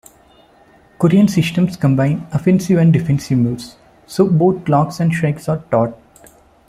Korean systems combine offensive and defensive moves, so both locks and strikes are taught.